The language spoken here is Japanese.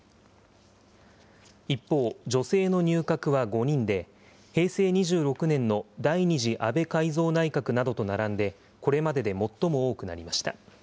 一方、女性の入閣は５人で、平成２６年の第２次安倍改造内閣などと並んで、これまでで最も多くなりました。